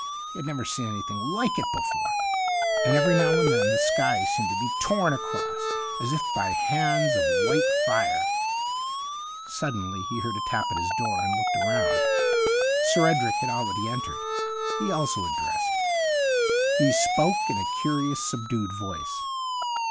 He had never seen anything like it before ; and every now and then the sky seemed to be torn across as if by hands of white fire. Suddenly he heard a tap at 161 THE UNDYING THING his door, and looked round. Sir Edric had already entered ; he also had dressed. He spoke in a curious, subdued voice.